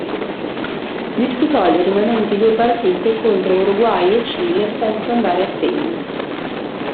Disputò le rimanenti due partite contro Uruguay e Cile senza andare a segno.